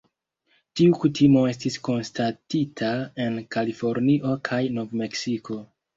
Tiu kutimo estis konstatita en Kalifornio kaj Nov-Meksiko.